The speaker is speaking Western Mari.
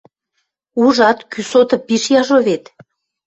— Ужат, кӱсоты пиш яжо вет.